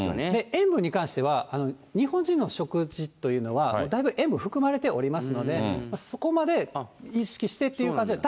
塩分に関しては、日本人の食事というのは、だいぶ塩分含まれておりますので、そこまで意識してっていう感じでは。